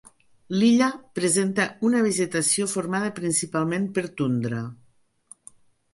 L'illa presenta una vegetació formada principalment per tundra.